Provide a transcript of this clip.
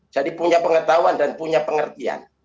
jadi punya pengetahuan dan punya pengertian